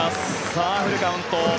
さあ、フルカウント。